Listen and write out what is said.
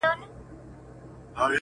اجازه راکړئ چې د مینه والو څخه